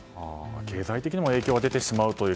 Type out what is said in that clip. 経済的にも影響が出てしまうという。